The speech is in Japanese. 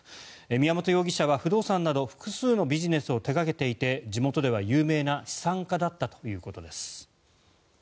宮本容疑者は、不動産など複数のビジネスを手掛けていて地元では有名な資産家だったということです。